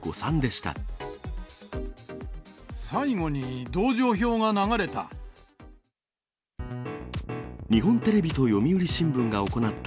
最後に同情票が流れた。